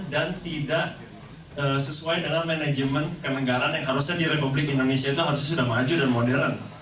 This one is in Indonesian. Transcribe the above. dan tidak sesuai dengan manajemen kenegaran yang harusnya di republik indonesia itu harusnya sudah maju dan modern